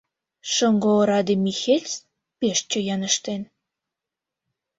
— Шоҥго ораде Михельс пеш чоян ыштен.